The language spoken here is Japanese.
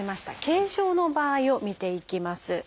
軽症の場合を見ていきます。